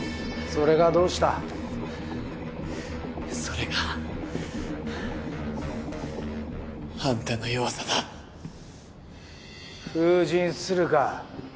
それがどうしたそれがあんたの弱さだ封刃するか